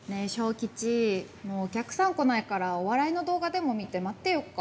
吉お客さん来ないからお笑いの動画でも見て待ってよっか。